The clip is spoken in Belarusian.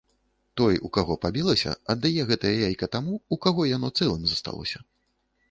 Той, у каго пабілася, аддае гэтае яйка таму, у каго яно цэлым засталося.